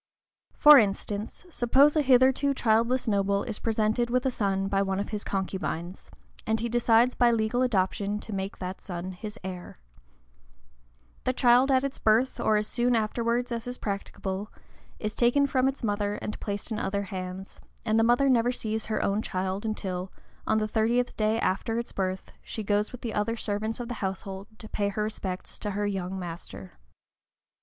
For instance, suppose a hitherto childless noble is presented with a son by one of his concubines, and he decides by legal adoption to make that son his heir: the child at its birth, or as soon afterwards as is practicable, is taken from its mother and placed in other hands, and the mother never sees her own child until, on the thirtieth day after its birth, she goes with the other servants of the household to pay her respects to her young master.